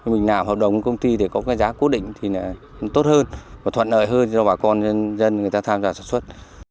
mình làm hợp đồng công ty thì có cái giá cố định thì nó tốt hơn và thuận nợi hơn cho bà con dân người ta tham gia sản xuất